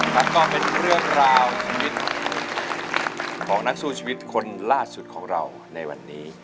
แล้วก็เป็นเรื่องราวชีวิตของนักสู้ชีวิตคนล่าสุดของเราในวันนี้